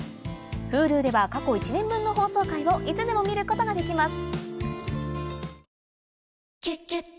Ｈｕｌｕでは過去１年分の放送回をいつでも見ることができます